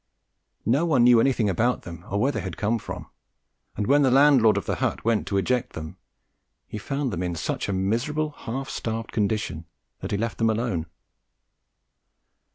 No one knew anything about them or where they had come from, and when the landlord of the hut went to eject them, he found them in such a miserable half starved condition that he left them alone.